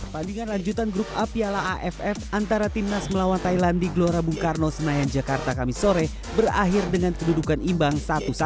pandingan lanjutan grup a piala aff antara timnas melawan thailand di glorabung karno senayan jakarta kamisore berakhir dengan kedudukan imbang satu satu